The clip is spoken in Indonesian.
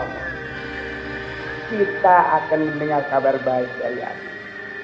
kita akan ingat kabar baik dari alif